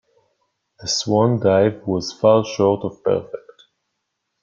The swan dive was far short of perfect.